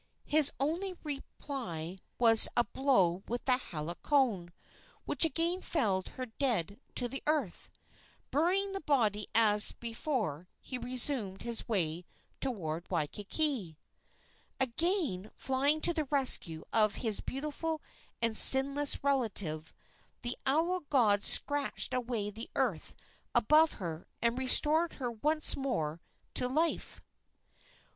His only reply was a blow with the hala cone, which again felled her dead to the earth. Burying the body as before he resumed his way toward Waikiki. Again flying to the rescue of his beautiful and sinless relative, the owl god scratched away the earth above her and restored her once more to life.